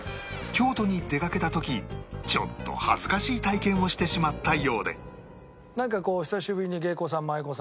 京都に出かけた時ちょっと恥ずかしい体験をしてしまったようでなんかこう久しぶりに芸妓さん舞妓さん。